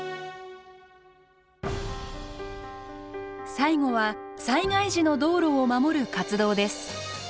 最後は災害時の道路を守る活動です。